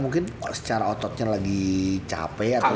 mungkin secara ototnya lagi capek atau